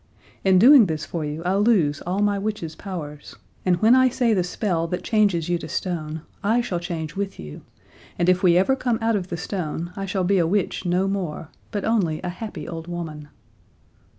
In doing this for you I lose all my witch's powers, and when I say the spell that changes you to stone, I shall change with you, and if ever we come out of the stone, I shall be a witch no more, but only a happy old woman."